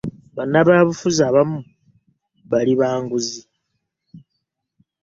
Bannabyabufuzi abamu bali banguzi.